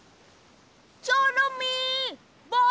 チョロミー！